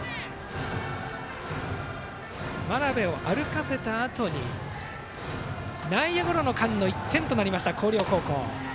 真鍋を歩かせたあとに内野ゴロの間の１点となりました、広陵高校。